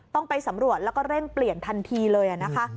ต้องไปสำรวจแล้วก็เร่งเปลี่ยนทันทีเลยนะคะ